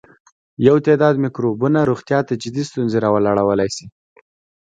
یو تعداد مکروبونه روغتیا ته جدي ستونزې راولاړولای شي.